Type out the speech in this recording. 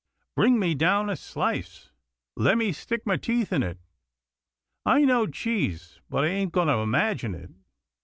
Bring me down a slice. Let me stick my teeth in it. I know cheese, but I ain't going to imagine it.'